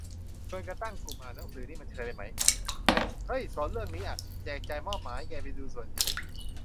ชวนกันตั้งกลุ่มอ่านหนังสือนี่มันเชยไปไหม แบบ เฮ้ยสนเรื่องนี้ อะ แจกจ่ายมอบหมายแกไปดูส่วนนี้